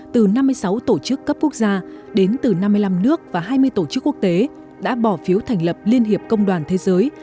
từ năm mươi sáu tổ chức cấp quốc gia đến từ năm mươi năm nước và hai mươi tổ chức quốc tế đã bỏ phiếu thành lập liên hiệp công đoàn thế giới